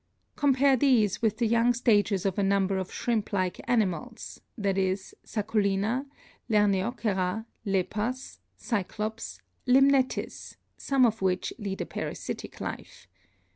Compare these with the young stages of a number of shrimp like animals, viz., Sacculina, Lernseocera, Lepas, Cyclops, Limnetis, some of which lead a parasitic life.